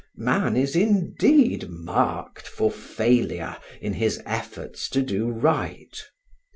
Man is indeed marked for failure in his efforts to do right.